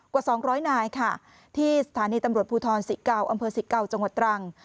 กว่า๒๐๐นายที่สถานีตำรวจภูทร๑๙อำเภอ๑๙จังหวัดตรัง